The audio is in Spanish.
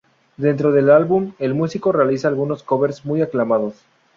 Dentro del álbum, el músico realiza algunos covers muy aclamados.